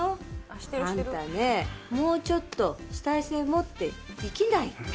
あんたねもうちょっと主体性持って生きないと。